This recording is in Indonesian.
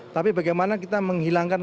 tapi bagaimana kita menghilangkan